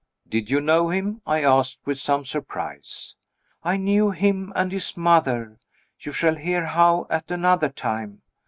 "Did you know him?" I asked, with some surprise. "I knew him and his mother you shall hear how, at another time.